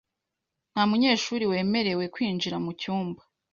Nta munyeshuri wemerewe kwinjira mu cyumba .